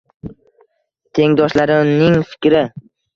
Tengdoshlarining fikri